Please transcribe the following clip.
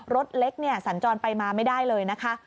รถเล็กสัญจรไปมาไม่ได้เลยนะคะ